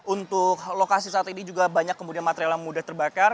untuk lokasi saat ini juga banyak kemudian material yang mudah terbakar